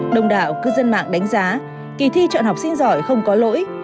đồng đạo cư dân mạng đánh giá kỳ thi chọn học sinh giỏi không có lỗi